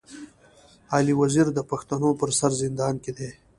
علي وزير د پښتنو پر سر زندان کي دی.